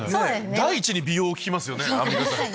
第一に美容を聞きますね。